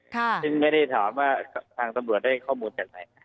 ค่ะซึ่งไม่ได้ถอดว่าทางตำรวจได้ข้อมูลอย่างไร